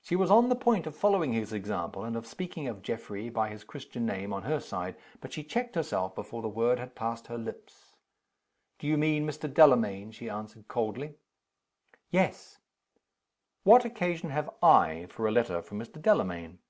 She was an the point of following his example, and of speaking of Geoffrey by his Christian name, on her side. But she checked herself, before the word had passed her lips. "Do you mean Mr. Delamayn?" she asked, coldly. "Yes." "What occasion have I for a letter from Mr. Delamayn?"